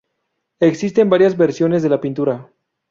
Existen varias versiones de la pintura.